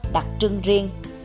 đặc trưng riêng